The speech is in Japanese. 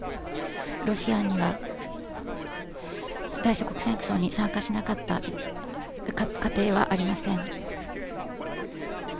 ロシアには、対戦争に参加しなかった過程はありません。